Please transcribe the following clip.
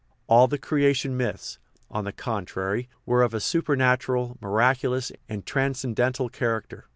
All the creation myths, on the con trary, were of a supernatural, miraculous, and trans cendental character.